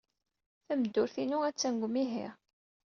Tameddurt-inu attan deg umihi.